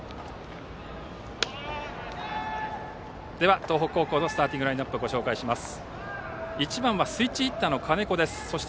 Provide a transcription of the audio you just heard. では東北高校のスターティングラインナップです。